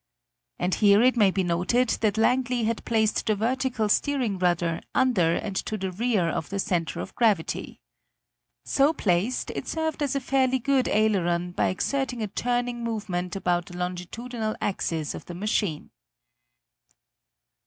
And here it may be noted that Langley had placed the vertical steering rudder under and to the rear of the center of gravity. So placed, it served as a fairly good aileron by exerting a turning movement about the longitudinal axis of the machine.